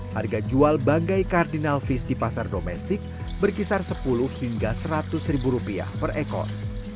harga jual banggai kardinal fish di pasar domestik berkisar sepuluh hingga seratus ribu rupiah per ekor